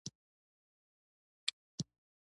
نورو باروتو ته که اوبه ورورسي بيا سم کار نه کوي.